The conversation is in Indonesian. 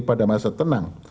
pada masa tenang